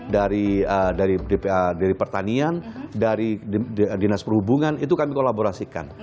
dari pertanian dari dinas perhubungan itu kami kolaborasikan